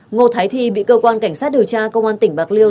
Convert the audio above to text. ngô thái thi bị cơ quan cảnh sát điều tra công an tỉnh bạc liêu